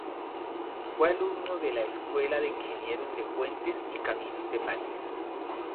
Fue alumno de la Escuela de Ingenieros de Puentes y Caminos de París.